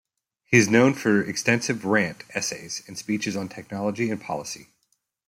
He is known for extensive "rant" essays and speeches on technology and policy.